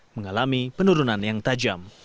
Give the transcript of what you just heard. mengalami penurunan yang tajam